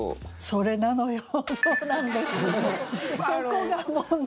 それなのよ！